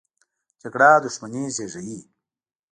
جګړه دښمني زېږوي